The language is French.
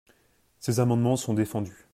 Ces amendements sont défendus.